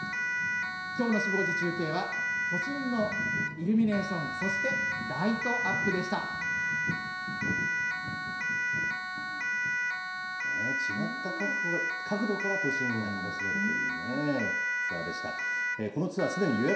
きょうのシブ５時中継は都心のイルミネーション、そして、ライト違った角度から都心が楽しめるというね、ツアーでした。